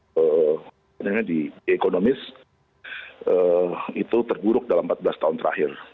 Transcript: sebenarnya di ekonomis itu terburuk dalam empat belas tahun terakhir